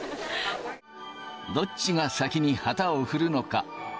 どっちが先に旗を振るのか。